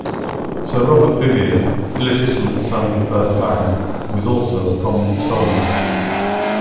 Sir Robert Vivian, illegitimate son of the first Baron, was also a prominent soldier.